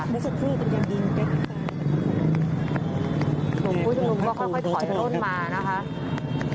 ผู้ชมลุมก็ค่อยถอยสะด้นมานะคะ